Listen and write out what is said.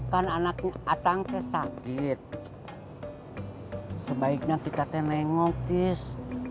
kan anakku atang kesakit sebaiknya kita tenengotis